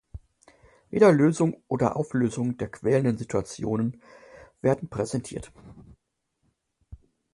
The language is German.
Weder Lösungen oder Auflösungen der quälenden Situationen werden präsentiert.